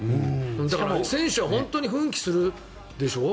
だから、選手は本当に奮起するでしょ。